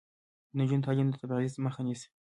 د نجونو تعلیم د تبعیض مخه نیسي.